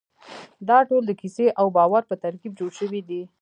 دا ټول د کیسې او باور په ترکیب جوړ شوي دي.